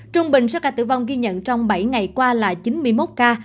trung bình số ca tử vong ghi nhận trong bảy ngày qua là chín mươi một ca